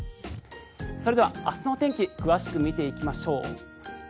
それでは明日のお天気詳しく見ていきましょう。